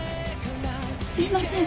すいません。